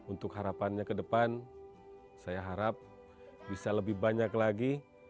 untuk harapannya ke depan saya harap bisa lebih banyak lagi